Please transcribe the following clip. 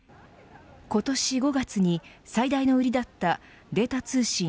今年５月に最大の売りだったデータ通信